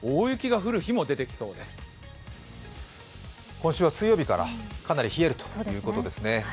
今週は水曜日からかなり冷えるということですね。